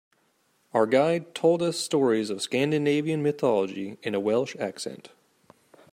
Our guide told us stories of Scandinavian mythology in a Welsh accent.